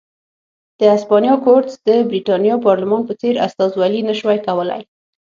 د هسپانیا کورتس د برېټانیا پارلمان په څېر استازولي نه شوای کولای.